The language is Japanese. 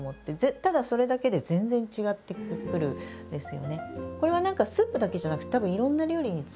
ただそれだけで全然違ってくるんですよね。